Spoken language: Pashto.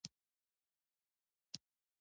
پر لاره مې د ډېرو شیانو اخیستلو ته زړه خارښت کاوه.